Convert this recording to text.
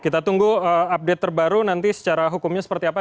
kita tunggu update terbaru nanti secara hukumnya seperti apa